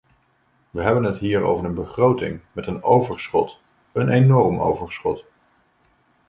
We hebben het hier over een begroting met een overschot - een enorm overschot.